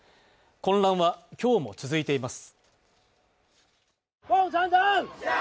混乱は今日も続いています。